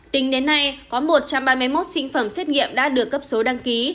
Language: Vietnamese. tính đến nay có một trăm ba mươi một sinh phẩm xét nghiệm đã được cấp số đăng ký